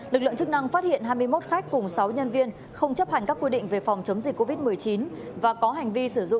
lực lượng chức năng phát hiện hai mươi một khách cùng sáu nhân viên không chấp hành các quy định về phòng chống dịch covid